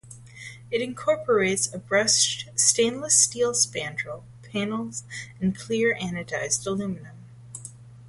It incorporates a brushed stainless steel spandrel panels and clear anodized aluminum.